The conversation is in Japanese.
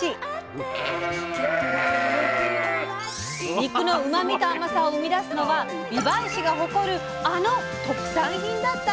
肉のうまみと甘さを生み出すのは美唄市が誇るあの特産品だったんです！